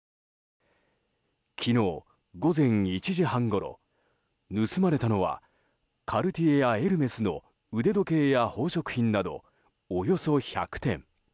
昨日午前１時半ごろ盗まれたのはカルティエやエルメスの腕時計や宝飾品などおよそ１００点。